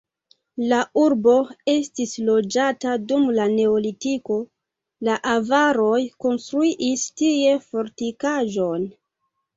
La urbo estis loĝata dum la neolitiko, la avaroj konstruis tie fortikaĵon.